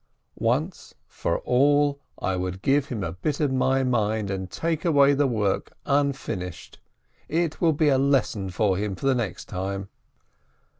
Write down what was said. Once for all, I would give him a bit of my mind, and take away the work unfinished — it will be a lesson for him for the next time